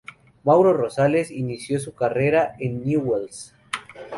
Mauro Rosales inició su carrera en Newell's.